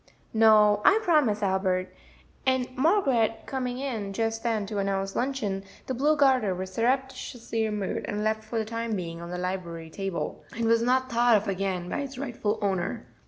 "No, I promise, Albert;" and Margaret coming in just then to announce luncheon, the blue garter was surreptitiously removed and left for the time being on the library table, and was not thought of again by its rightful owner.